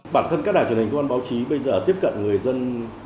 bản thân các đài truyền hình công an báo chí bây giờ tiếp cận người dân